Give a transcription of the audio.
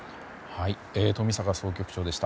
冨坂総局長でした。